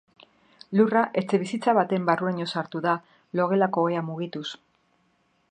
Lurra etxebizitza baten barruraino sartu da, logelako ohea mugituz.